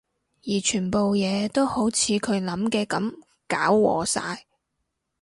而全部嘢都好似佢諗嘅噉搞禍晒